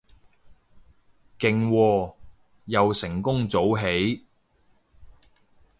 勁喎，又成功早起